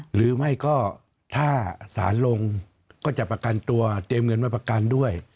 หรือไม่ก็ถ้าสารลงก็จะประกันตัวเตรียมเงินไว้ประกันด้วย